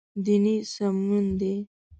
دیني سمونه دی.